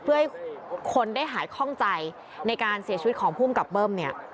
เพื่อให้คนได้หายคล่องใจในการเสียชีวิตของภูมิกับเบิ้มเนี่ย